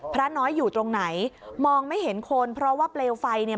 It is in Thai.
พระน้อยอยู่ตรงไหนมองไม่เห็นคนเพราะว่าเปลวไฟเนี่ย